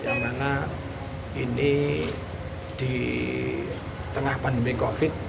yang mana ini di tengah pandemi covid sembilan belas